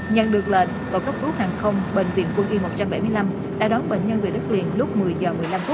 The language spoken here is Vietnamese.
nhận được lệnh bộ quốc phòng đề cử tổ cấp cứu đường không của bệnh viện quân y một trăm bảy mươi năm đã đón bệnh nhân về đất liền lúc một mươi h một mươi năm